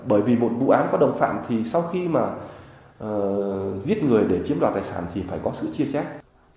bởi vì một vụ án có đồng phạm thì sau khi mà giết người để chiếm đoạt tài sản thì phải có sự chia trách